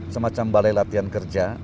semacam balai latihan kerja